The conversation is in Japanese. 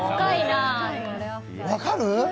分かる？